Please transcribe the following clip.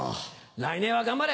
来年は頑張れ。